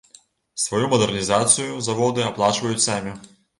Сваю мадэрнізацыю заводы аплачваюць самі.